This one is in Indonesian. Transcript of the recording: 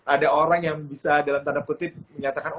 ada orang yang bisa dalam tanda kutip menyatakan